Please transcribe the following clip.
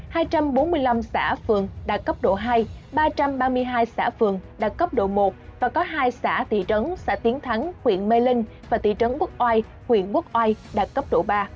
cấp độ hai hai trăm bốn mươi năm xã phường đã cấp độ hai ba trăm ba mươi hai xã phường đã cấp độ một và có hai xã tỷ trấn xã tiến thắng huyện mê linh và tỷ trấn quốc oai huyện quốc oai đã cấp độ ba